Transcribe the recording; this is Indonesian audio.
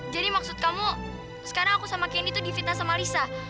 jadi maksud kamu sekarang aku sama candy tuh di fitnah sama lisa